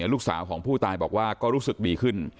ลูกสาวของผู้ตายบอกว่าก็รู้สึกดีขึ้น